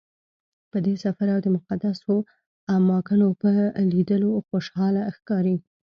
په دې سفر او د مقدسو اماکنو په لیدلو خوشحاله ښکاري.